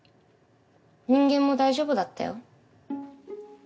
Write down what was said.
人間も大丈夫だったよ。